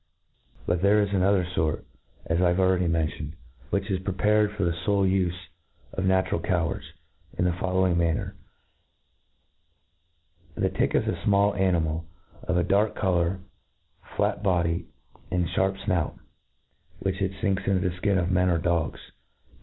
But there is another fort, as I have already mentioned, which is prepared for the fole ufe of natural cowards .in the following manner : The tick is a fmall animal, of a dark colour, flat bo* 4y, and fharp fnout, which it finks into the fkin of men or dogs.